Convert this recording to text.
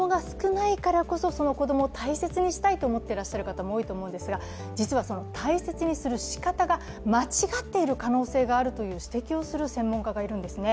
その子供を大切にしたいと思っている方も多いと思うんですが実はその大切にするしかたが間違っている可能性があるという指摘をする専門家がいるんですね。